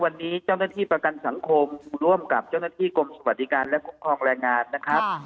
วันนี้เจ้าหน้าที่ประกันสังคมร่วมกับเจ้าหน้าที่กรมสวัสดิการและคุ้มครองแรงงานนะครับ